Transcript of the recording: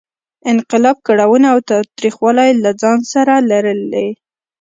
انقلاب کړاوونه او تاوتریخوالی له ځان سره لرلې.